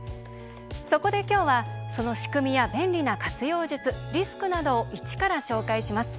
そこで今日はその仕組みや、便利な活用術リスクなどを一から紹介します。